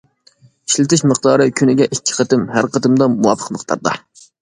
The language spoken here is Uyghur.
ئىشلىتىش مىقدارى: كۈنىگە ئىككى قېتىم، ھەر قېتىمدا مۇۋاپىق مىقداردا.